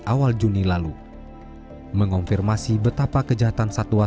awal juni lalu mengonfirmasi betapa kejahatan satwa